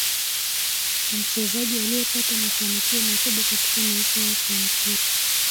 Ni mchezaji aliyepata mafanikio makubwa katika maisha yake ya mpira